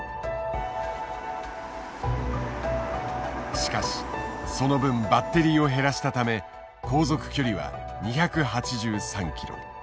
しかしその分バッテリーを減らしたため航続距離は２８３ｋｍ。